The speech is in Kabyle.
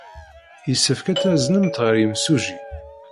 Yessefk ad taznemt ɣer yemsujji.